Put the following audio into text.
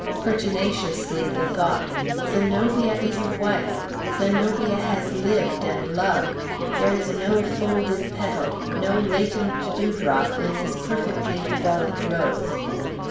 Pertinaciously the thought, "Zenobia is a wife; Zenobia has lived and loved! There is no folded petal, no latent dewdrop, in this perfectly developed rose!"